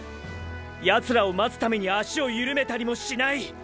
ヤツらを待つために足をゆるめたりもしない！！